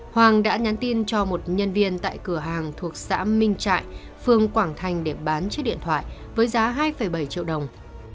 hoàng đã nhắn tin cho một nhân viên tại cửa hàng thuộc xã minh trại phường quảng thành để bán chiếc điện thoại với giá hai bảy triệu đồng